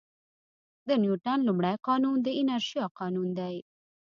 د نیوټن لومړی قانون د انرشیا قانون دی.